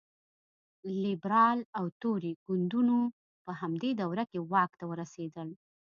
لېبرال او توري ګوندونو په همدې دوره کې واک ته ورسېدل.